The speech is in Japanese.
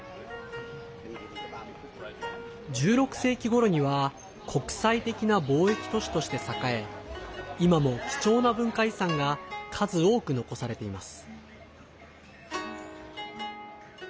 １６世紀ごろには国際的な貿易都市として栄え今も貴重な文化遺産が数多く残されています。